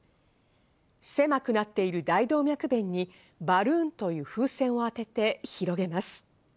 狭くなっている大動脈弁に、バルーンという風船を当てて広げます。